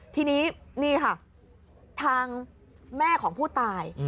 ทีนี้นี่ค่ะทางแม่ของผู้ตาย